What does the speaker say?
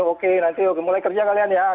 oke nanti mulai kerja kalian ya